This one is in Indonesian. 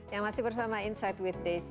dan beri tahu tentang